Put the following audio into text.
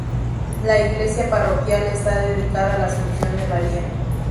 La iglesia parroquial está dedicada a la Asunción de María.